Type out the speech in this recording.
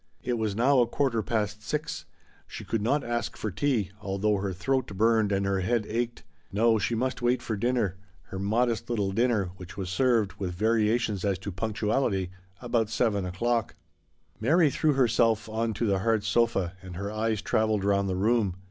It was now a quarter past six ; she could not ask for tea, although her throat burned and her head ached. No, she must wait for dinner — her modest* little dinner which was served, with variations as to punctuality, about seven o'clock. She threw herself on the hard sofa, and her eyes travelled round the room.